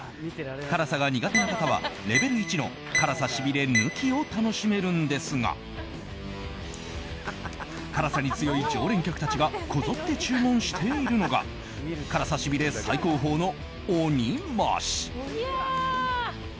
辛さが苦手な方は、レベル１の辛さ、しびれ抜きを楽しめるんですが辛さに強い常連客たちがこぞって注文しているのが辛さ、しびれ最高峰の鬼増し。